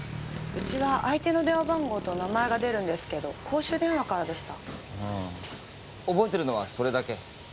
うちは相手の電話番号と名前が出るんですけど公衆電話からでしたうん覚えてるのはそれだけ？